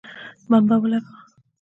بمبه ولګوه